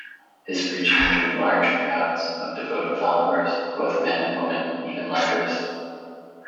His preaching drew large crowds of devoted followers, both men and women, even lepers.